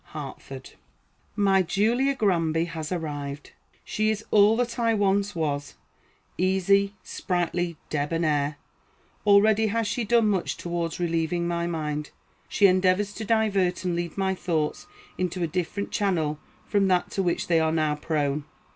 HARTFORD. My Julia Granby has arrived. She is all that I once was easy, sprightly, debonnaire. Already has she done much towards relieving my mind. She endeavors to divert and lead my thoughts into a different channel from that to which they are now prone.